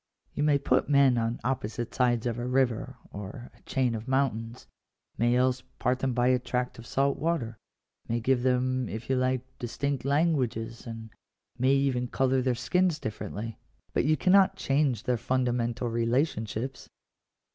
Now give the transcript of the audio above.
You may put men on opposite sides of a river or a chain of mountains ; may else part them by a tract of salt water; may give them, if you like, distinct languages ; and may even colour their skins dif Digitized by VjOOQIC THE REGULATION OF COMMERCE. 297 ferently ; but you cannot change their fundamental relationships.